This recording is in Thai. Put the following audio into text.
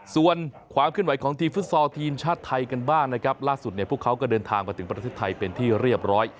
ส่วนความเคลื่อนไหวของทีมฟุตซอลทีมชาติไทยกันบ้างนะครับล่าสุดเนี่ยพวกเขาก็เดินทางมาถึงประเทศไทยเป็นที่เรียบร้อย